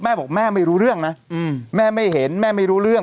แม่บอกแม่ไม่รู้เรื่องนะแม่ไม่เห็นแม่ไม่รู้เรื่อง